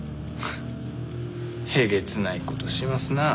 えげつない事しますなあ。